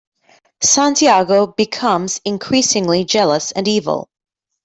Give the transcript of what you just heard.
Santiago becomes increasingly jealous and evil.